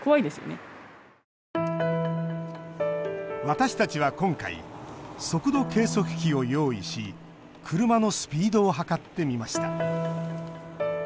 私たちは今回速度計測器を用意し車のスピードを測ってみました。